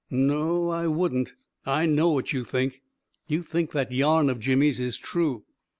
" No I wouldn't — I know what you think. You think that yarn of Jimmy's is true."